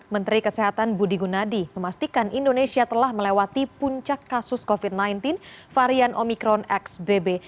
menteri kesehatan budi gunadi memastikan indonesia telah melewati puncak kasus covid sembilan belas varian omikron xbb